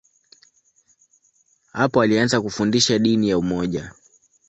Hapo alianza kufundisha dini ya umoja.